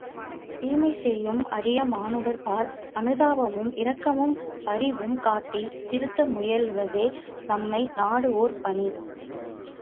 தீமை செய்யும் அறியா மானுடர்பால் அனுதாபமும், இரக்கமும் பரிவும் காட்டித் திருத்த முயல்வதே நன்மை நாடுவோர் பணி!